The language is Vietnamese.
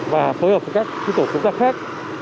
và phối hợp với các tổ công tác khác